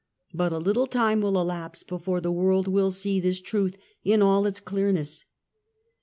But a little time will elapse before the world will see this truth in all its clearness.